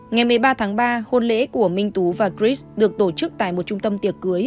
ngày một mươi ba tháng ba hôn lễ của minh tú và christ được tổ chức tại một trung tâm tiệc cưới